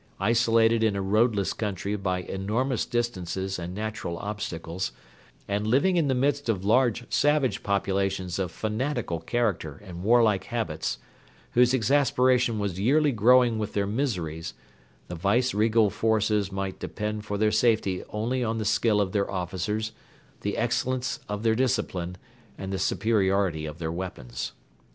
Isolated in a roadless country by enormous distances and natural obstacles, and living in the midst of large savage populations of fanatical character and warlike habits, whose exasperation was yearly growing with their miseries, the Viceregal forces might depend for their safety only on the skill of their officers, the excellence of their discipline, and the superiority of their weapons.